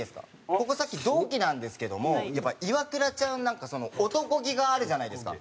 ここ同期なんですけどもやっぱイワクラちゃんなんかそのおとこ気があるじゃないですか。